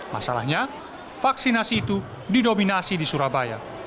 masalahnya vaksinasi itu didominasi di surabaya